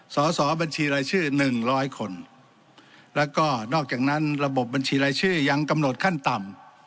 สอสอบัญชีรายชื่อ๑๐๐คนแล้วก็นอกจากนั้นระบบบัญชีรายชื่อยังกำหนดขั้นต่ำ